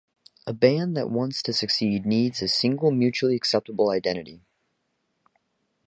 A band that wants to succeed needs a single, mutually acceptable identity.